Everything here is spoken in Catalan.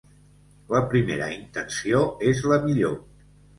La primera intenció és la millor.